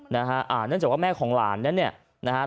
เนื่องจากแม่ของหลานนั้นน่ะ